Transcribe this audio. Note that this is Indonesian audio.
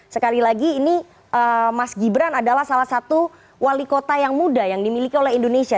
sekali lagi ini mas gibran adalah salah satu wali kota yang muda yang dimiliki oleh indonesia